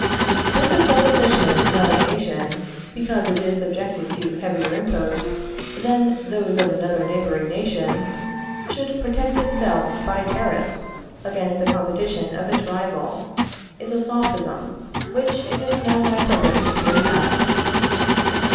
But the supposition that a nation, because it is subjected to heavier imposts than those of another neighboring nation, should protect itself by tariffs against the competition of its rival, is a Sophism, which it is now my purpose to attack.